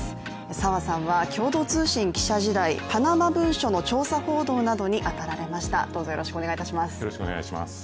澤さんは共同通信記者時代、パナマ文書の調査報道などに当たられました。